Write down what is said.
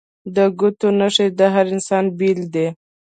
د ګوتو نښې د هر انسان بیلې دي